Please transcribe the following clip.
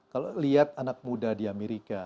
kalau lihat anak muda di amerika